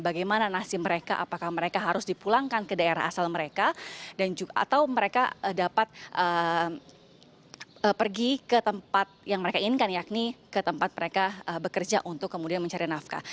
bagaimana nasib mereka apakah mereka harus dipulangkan ke daerah asal mereka atau mereka dapat pergi ke tempat yang mereka inginkan yakni ke tempat mereka bekerja untuk kemudian mencari nafkah